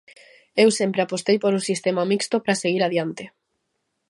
Eu sempre apostei por un sistema mixto para seguir adiante.